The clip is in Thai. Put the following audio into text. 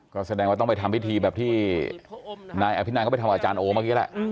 ก็แสดงว่าต้องไปทำพิธีแบบที่นายอภินันก็ไปทำอาจารย์โอเมื่อกี้แหละ